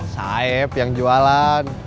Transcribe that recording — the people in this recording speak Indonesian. saeb yang jualan